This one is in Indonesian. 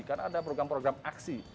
karena ada program program aksi